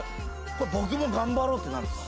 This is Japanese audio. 僕も頑張ろうってなるんですよ。